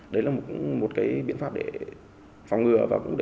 đấy là một biện pháp để phòng ngừa và bảo vệ chính mình